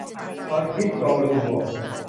ตอนคิดโปรลืมบวก